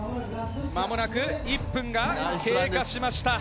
間もなく１分が経過しました。